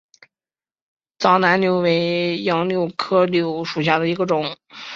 藏南柳为杨柳科柳属下的一个种。